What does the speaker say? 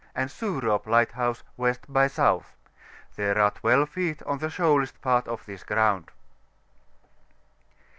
and Surop Lighthouse W. by S. There are 12 feet on the shoalest part of this ground.